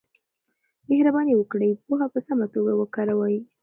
مهرباني وکړئ پوهه په سمه توګه وکاروئ.